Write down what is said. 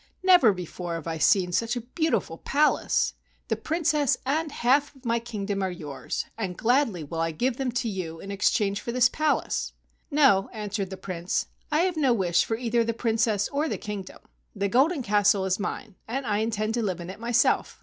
Never before have I seen such a beautiful palace. The Princess and the half of my king¬ dom are yours, and gladly will I give them to you in exchange for the palace." "No," answered the Prince, "I have no wish for either the Princess or the kingdom. The Golden Castle is mine and I intend to live in it myself."